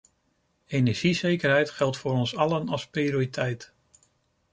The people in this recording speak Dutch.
Energiezekerheid geldt voor ons allen als prioriteit.